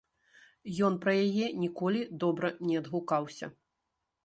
Ён пра яе ніколі добра не адгукаўся.